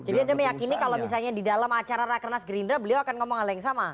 jadi anda meyakini kalau misalnya di dalam acara rakenas gerindra beliau akan ngomong hal yang sama